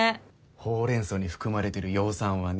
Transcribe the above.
ホウレン草に含まれてる葉酸はね